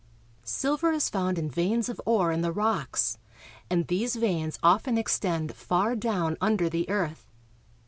Silver is found in veins of 'ore in the rocks, and these veins often extend far down under the earth.